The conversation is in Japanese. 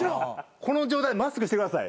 この状態でマスクしてください。